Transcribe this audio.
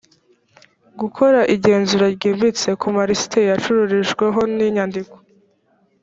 gukora igenzura ryimbitse ku malisiti yacururijweho n inyandiko